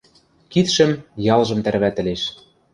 Кидшӹм, ялжым тӓрвӓтӹлеш.